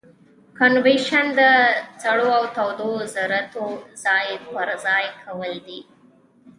کانویکشن د سړو او تودو ذرتو ځای پر ځای کول دي.